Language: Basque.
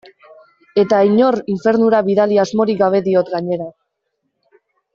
Eta inor infernura bidali asmorik gabe diot, gainera.